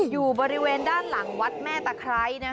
อยู่บริเวณด้านหลังวัดแม่ตะไคร้